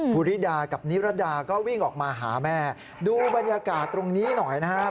ภูริดากับนิรดาก็วิ่งออกมาหาแม่ดูบรรยากาศตรงนี้หน่อยนะครับ